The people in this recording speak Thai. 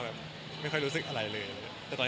อเจมส์อันนี้คำถามทุกที่เมื่อวานที่เราสามารถไลน์